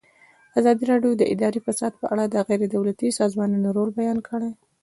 ازادي راډیو د اداري فساد په اړه د غیر دولتي سازمانونو رول بیان کړی.